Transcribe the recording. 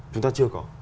chúng ta chưa có